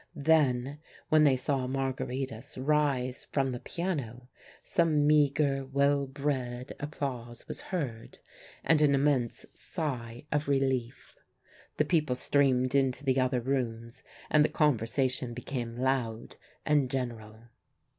Then when they saw Margaritis rise from the piano, some meagre well bred applause was heard, and an immense sigh of relief. The people streamed into the other rooms, and the conversation became loud and general.